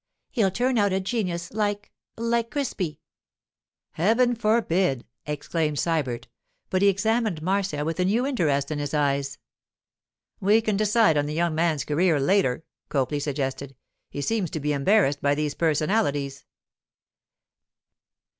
He'll turn out a genius like—like Crispi.' 'Heaven forbid!' exclaimed Sybert, but he examined Marcia with a new interest in his eyes. 'We can decide on the young man's career later,' Copley suggested. 'He seems to be embarrassed by these personalities.